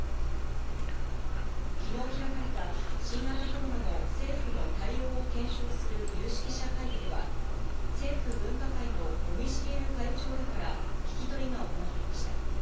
きのう開かれた、新型コロナの政府の対応を検証する有識者会議では、政府分科会の尾身茂会長らから、聞き取りが行われました。